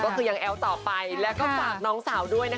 กับเพลงที่มีชื่อว่ากี่รอบก็ได้